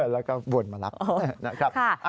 แล้วก็วนมารับนะครับ